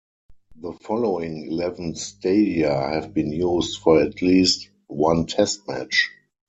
The following eleven stadia have been used for at least one Test match.